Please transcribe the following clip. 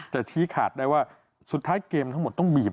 ชี้ขาดได้ว่าสุดท้ายเกมทั้งหมดต้องบีบ